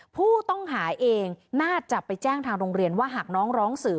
ผู้ต้องหาเองน่าจะไปแจ้งทางโรงเรียนว่าหากน้องร้องสื่อ